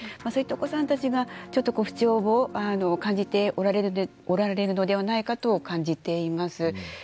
そういったお子さんたちが不調を感じておられるのではないかと感じています。